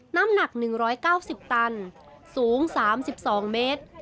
น้ำหนัก๑๙๐ตันสูง๓๒เมตร